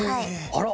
あら！